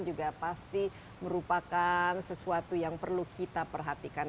juga pasti merupakan sesuatu yang perlu kita perhatikan